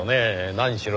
何しろ